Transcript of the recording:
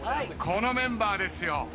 このメンバーですよ。